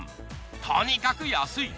とにかく安い。